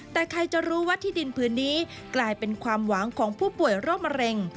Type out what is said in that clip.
แต่ใครจะรู้ว่าที่ดินพื้นนี้กลายเป็นความหวังของผู้ป่วยโรคมะเร็ง